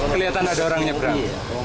kelihatan ada orang nyebrang